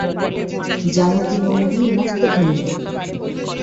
জানকী নন্দী মস্ত ধনী লোক।